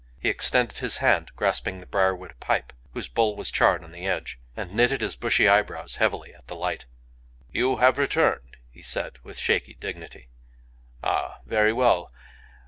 He extended his hand grasping the briar wood pipe, whose bowl was charred on the edge, and knitted his bushy eyebrows heavily at the light. "You have returned," he said, with shaky dignity. "Ah! Very well!